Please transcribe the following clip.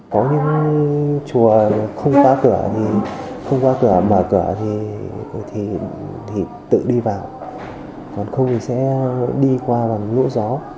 có những chùa không khóa cửa thì không có cửa mở cửa thì tự đi vào còn không thì sẽ đi qua vòng lũ gió